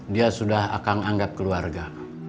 dia sudah akan anggap keluarga